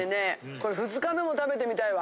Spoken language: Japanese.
これ２日目も食べてみたいわ。